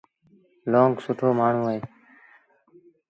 لونگ سُٽو مآڻهوٚݩ اهي۔